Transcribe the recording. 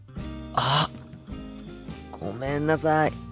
あ。ごめんなさい。